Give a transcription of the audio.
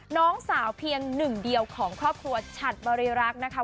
น้องสาวเพียงหนึ่งเดียวของครอบครัวฉัดบริรักษ์นะคะ